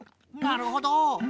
なるほど。